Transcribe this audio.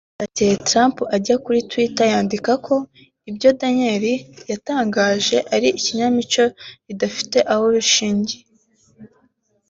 Bwacyeye Trump ajya kuri Twitter yandika ko ibyo Daniels yatangaje ari ikinamico ridafite aho rishingiye